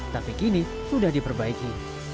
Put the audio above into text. tapi kini sudah diperbaiki